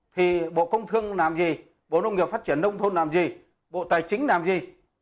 thì bộ công thương làm gì bộ nông nghiệp phát triển nông thôn làm gì bộ tài chính làm gì